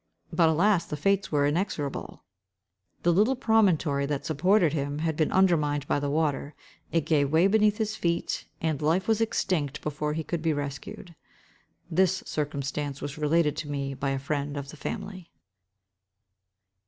But, alas! the fates were inexorable: the little promontory that supported him had been undermined by the water; it gave way beneath his feet, and life was extinct before he could be rescued. This circumstance was related to me by a friend of the family.